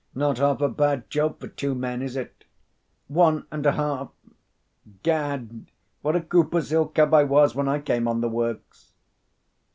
"Not half a bad job for two men, is it?" "One and a half. 'Gad, what a Cooper's Hill cub I was when I came on the works!"